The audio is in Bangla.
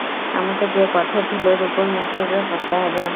আমাকে যে পথের ধুলোর উপর মুখ থুবড়ে পড়তে হবে!